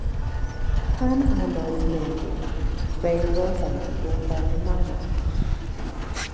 Pan anwyd Mary, fe'i rhoddwyd i ofal mamaeth.